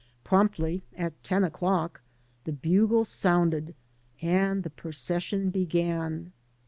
Promptly at ten o'clock the bugle sounded and the procession began.